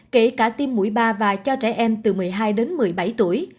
kể cả tiêm mũi ba và cho trẻ em từ một mươi hai đến một mươi bảy tuổi